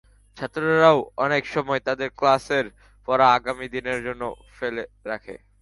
ছাত্ররাও অনেক সময় তাদের ক্লাসের পড়া আগামী দিনের জন্য ফেলে রাখে।